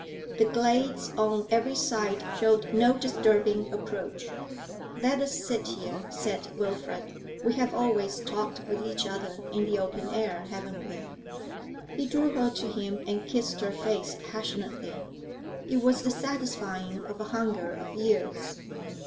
The glades on every side showed no disturbing approach. 'Let us sit here,' said Wilfrid. 'We have always talked with each other in the open air, haven't we?' He drew her to him and kissed her face passionately. It was the satisfying of a hunger of years.